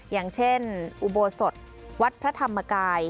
อย่างเช่นอุโบสถวัดพระธรรมกาย